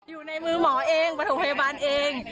อยู่ในมือหมอเองประถมพยาบาลเอง